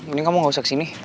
ini kamu gak usah kesini